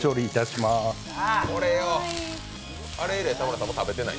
あれ以来、田村さんも食べてない？